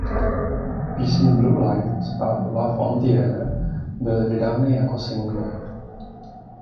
Písně „Blue Light“ a „Love on the Air“ byly vydány jako singly.